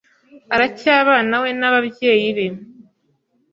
aracyabanawe n'ababyeyi be.